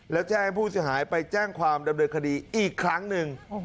แล้วแจ้งให้ผู้เสียหายไปแจ้งความดำเนินคดีอีกครั้งหนึ่ง